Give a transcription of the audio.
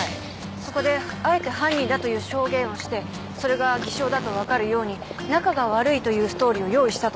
そこであえて犯人だという証言をしてそれが偽証だと分かるように仲が悪いというストーリーを用意したと。